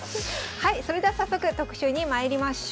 はいそれでは早速特集にまいりましょう。